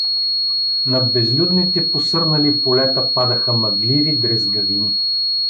Над безлюдните, посърнали полета падаха мъгливи дрезгавини.